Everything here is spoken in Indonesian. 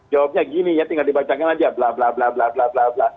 jawabnya gini ya tinggal dibacakan saja bla bla